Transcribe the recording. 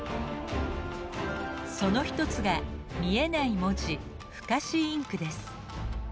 その一つが見えない文字「不可視インク」です。